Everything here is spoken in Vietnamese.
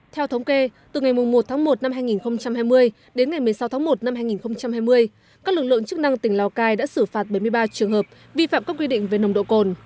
theo thống kê từ ngày một tháng một năm hai nghìn hai mươi đến ngày một mươi sáu tháng một năm hai nghìn hai mươi các lực lượng chức năng tỉnh lào cai đã xử phạt bảy mươi ba trường hợp vi phạm các quy định về nồng độ cồn